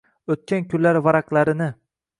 “Oʻtgan kunlar” varaqlarini